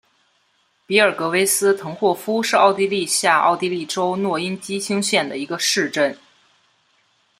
比尔格韦斯滕霍夫是奥地利下奥地利州诺因基兴县的一个市镇。